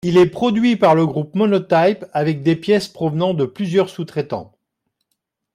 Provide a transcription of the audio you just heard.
Il est produit par le groupe Monotype avec des pièces provenant de plusieurs sous-traitants.